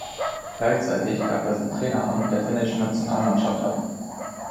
Gleichzeitig gab er sein Traineramt der finnischen Nationalmannschaft ab.